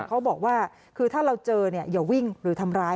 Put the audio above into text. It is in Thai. เขาบอกว่าคือถ้าเราเจอเนี่ยอย่าวิ่งหรือทำร้าย